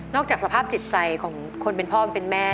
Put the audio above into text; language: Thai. จากสภาพจิตใจของคนเป็นพ่อเป็นแม่